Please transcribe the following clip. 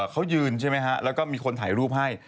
เขายืนใช่ไหมฮะแล้วก็มีคนถ่ายรูปให้